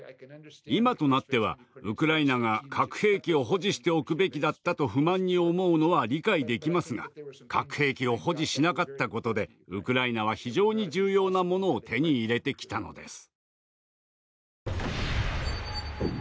今となってはウクライナが「核兵器を保持しておくべきだった」と不満に思うのは理解できますが核兵器を保持しなかったことでウクライナは非常に重要なものを手に入れてきたのです。